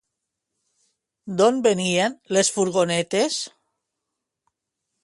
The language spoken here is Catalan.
D'on venien les furgonetes?